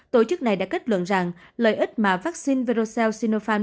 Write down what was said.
tổ chức này đã kết luận rằng lợi ích mà vắc xin verocell sinopharm